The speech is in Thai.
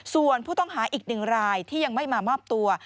ส่วนผู้ต้องหาอีกหนึ่งรายที่ยังไม่มามอบตัว